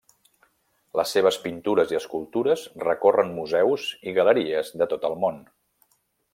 Les seves pintures i escultures recorren museus i galeries de tot el món.